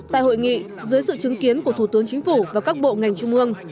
tại hội nghị dưới sự chứng kiến của thủ tướng chính phủ và các bộ ngành trung ương